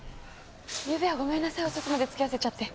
ゆうべはごめんなさい遅くまで付き合わせちゃって。